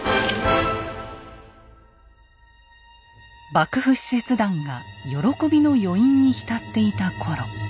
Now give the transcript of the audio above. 幕府使節団が喜びの余韻に浸っていた頃。